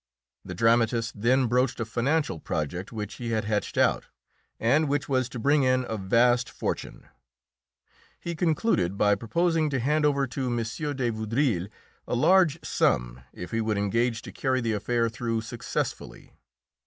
The dramatist then broached a financial project which he had hatched out, and which was to bring in a vast fortune. He concluded by proposing to hand over to M. de Vaudreuil a large sum if he would engage to carry the affair through successfully.